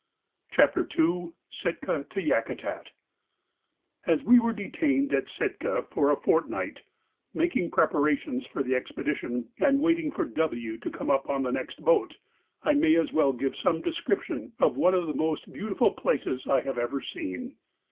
CHAPTER II SITKA TO YAKUTAT As we were detained at Sitka for a fortnight, making preparations for the expedition, and waiting for W. to come up on the next boat, I may as well give some description of one of the most beautiful places I have ever seen.